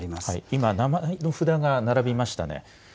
今、名前の札が並びましたね。